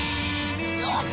よし！